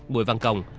bùi văn công